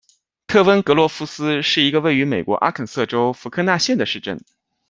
特温格罗夫斯是一个位于美国阿肯色州福克纳县的市镇。